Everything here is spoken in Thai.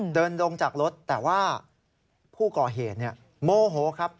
เดินลงจากรถแต่ว่าผู้ก่อเหตุโมโหครับ